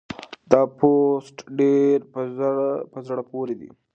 دا پوسټ ډېر په زړه پورې دی.